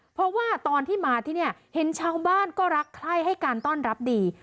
เพราะว่าตอนที่มาที่นี่เห็นชาวบ้านก็รักใคร้ให้การต้อนรับดี